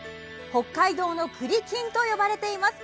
北海道のクリキンと呼ばれています。